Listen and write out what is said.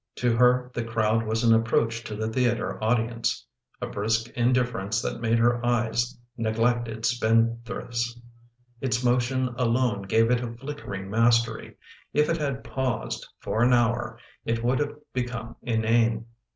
To her the crowd was an approach to the theater audience — a brisk indifference that made her eyes neg lected spendthrifts. Its motion alone gave it a flickering mastery: if it had paused, for an hour, it would have be come inane.